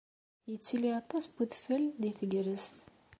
Yettili aṭas n wedfel deg tegrest.